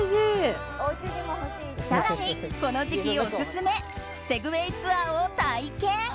更に、この時期オススメセグウェイツアーを体験。